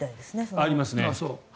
ありますね。